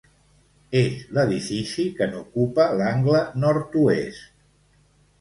És l'edifici que n'ocupa l'angle nord-oest.